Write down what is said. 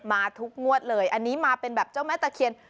มาทุกงวดเลยอันนี้มาเป็นแบบเจ้าแม่ตะเคียน